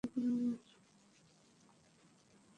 প্রিয় খাবার মাবিয়া খিচুড়ি ও গরুর মাংস।